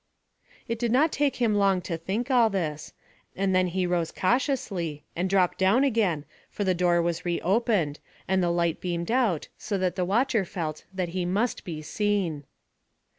It did not take him long to think all this; and then he rose cautiously and dropped down again, for the door was re opened, and the light beamed out so that the watcher felt that he must be seen.